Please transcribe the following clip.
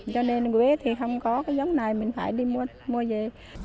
cho nên quế thì không có cái giống này mình phải đi mua về